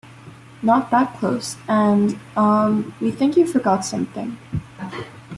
Not that close" and "Umm, we think you forgot something".